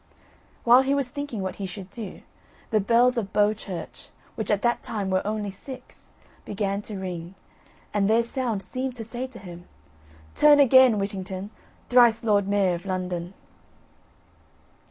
While he was thinking what he should do, the Bells of Bow Church, which at that time were only six, began to ring, and their sound seemed to say to him: "Turn again, Whittington, Thrice Lord Mayor of London."